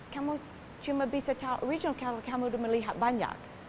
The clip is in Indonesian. kamu cuma bisa beritahu orisinil kalau kamu sudah melihat banyak